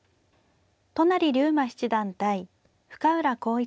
都成竜馬七段対深浦康市九段。